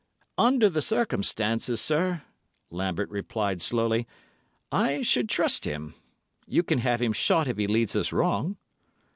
"Under the circumstances, sir," Lambert replied slowly, "I should trust him. You can have him shot if he leads us wrong."